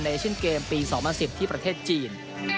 เอเชียนเกมปี๒๐๑๐ที่ประเทศจีน